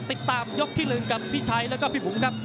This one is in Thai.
ติดตามยกที่๑กับพี่ชัยแล้วก็พี่บุ๋มครับ